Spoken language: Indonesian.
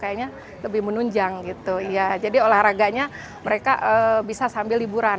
kayaknya lebih menunjang gitu iya jadi olahraganya mereka bisa sambil liburan